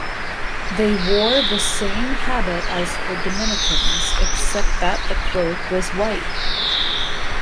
They wore the same habit as the Dominicans, except that the cloak was white.